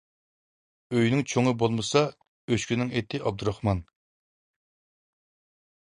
ئۆينىڭ چوڭى بولمىسا، ئۆچكىنىڭ ئېتى ئابدۇراخمان.